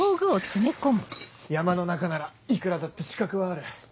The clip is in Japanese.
山の中ならいくらだって死角はある。